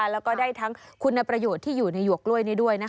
แล้วก็ได้ทั้งคุณประโยชน์ที่อยู่ในหวกกล้วยนี้ด้วย